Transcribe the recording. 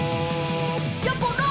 「やころ！」